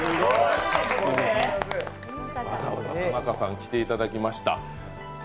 わざわざ田中さん、来ていただきました。